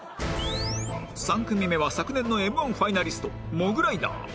３組目は昨年の Ｍ−１ ファイナリストモグライダー